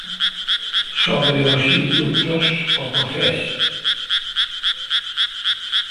Sobre os indultos o Procés.